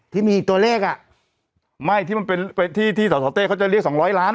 ที่มีตัวเลขอ่ะไม่ที่มันเป็นที่ที่สสเต้เขาจะเรียกสองร้อยล้านอ่ะ